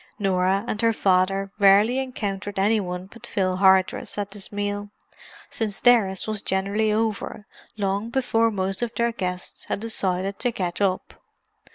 Norah and her father rarely encountered any one but Phil Hardress at this meal, since theirs was generally over long before most of their guests had decided to get up.